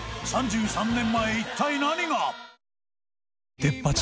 ３３年前、一体何が？